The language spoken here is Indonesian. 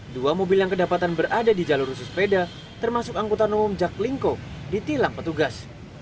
dua mobil yang kedapatan berada di jalur khusus sepeda termasuk angkutan umum jack lingko di tilang petugas